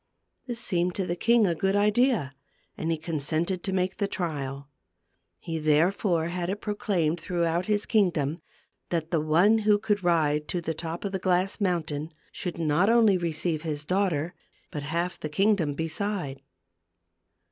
This seemed to the king a good idea, and he consented to make the trial. He therefore had it proclaimed throughout his kingdom, that the one who could ride to the top of the glass mountain, should not only receive his daughter, but half the kingdom beside.